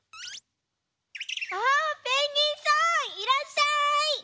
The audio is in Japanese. あペンギンさんいらっしゃい！